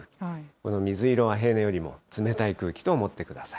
この水色は平年よりも冷たい空気と思ってください。